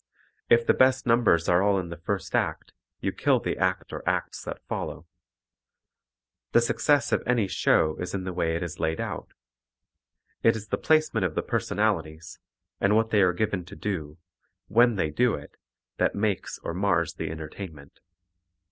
If the best numbers are all in the first act, you kill the act or acts that follow. The success of any show is in the way it is laid out. It is the placement of the personalities, and what they are given to do when they do it that makes or mars the entertainment.